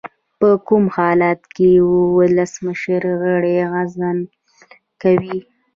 په کوم حالت کې ولسمشر غړی عزل کوي؟